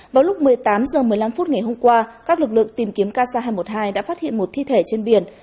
vào lúc một mươi tám h một mươi năm phút ngày hôm qua các lực lượng tìm kiếm ksa hai trăm một mươi hai đã phát hiện một thi thể trên biển